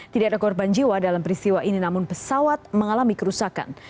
tidak ada korban jiwa dalam peristiwa ini namun pesawat mengalami kerusakan